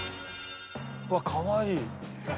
「うわっかわいい」